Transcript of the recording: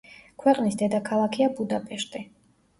ქვეყნის დედაქალაქია ბუდაპეშტი.